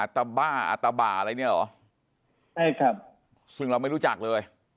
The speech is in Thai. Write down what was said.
ตะบ้าอัตบ่าอะไรเนี่ยเหรอใช่ครับซึ่งเราไม่รู้จักเลย